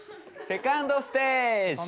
セカンドステージ？